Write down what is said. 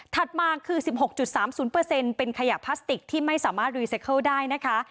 มาคือ๑๖๓๐เป็นขยะพลาสติกที่ไม่สามารถรีไซเคิลได้นะคะ